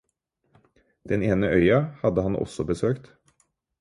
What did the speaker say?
Den ene øya hadde han også besøkt.